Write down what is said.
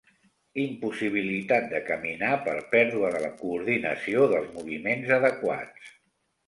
Impossibilitat de caminar per pèrdua de la coordinació dels moviments adequats.